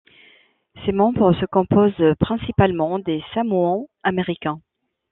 Ses membres se compose principalement des Samoans Américains.